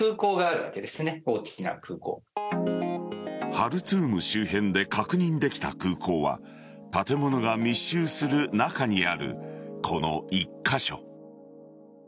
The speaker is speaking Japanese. ハルツーム周辺で確認できた空港は建物が密集する中にあるこの１カ所。